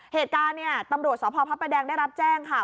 เหตุการณ์นี่ตำรวจสภาพภาพแปรแดงได้รับแจ้งค่ะ